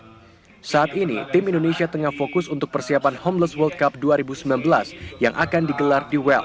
pertama kali ini tim indonesia berhasil meraih peringkat sepuluh dari empat puluh tujuh negara dan mendapatkan gelar fair play award